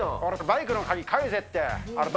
バイクの鍵、返せって。